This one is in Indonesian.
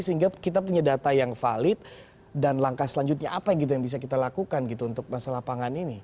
sehingga kita punya data yang valid dan langkah selanjutnya apa yang gitu yang bisa kita lakukan gitu untuk masalah pangan ini